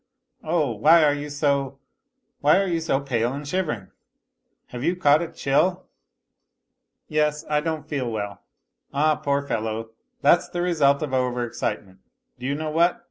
" Oh, why are you so. .. why are you so pale and shivering ? Have you caught a chill ?" X"' Yes, T don't foci well." "Ah, poor fellow ! That's the result of over excitement. Do you know what